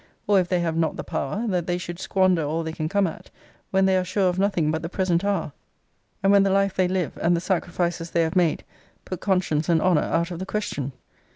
or, if they have not the power, that they should squander all they can come at, when they are sure of nothing but the present hour; and when the life they live, and the sacrifices they have made, put conscience and honour out of the question?